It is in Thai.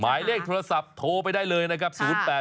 หมายเลขโทรศัพท์โทรไปได้เลยนะครับ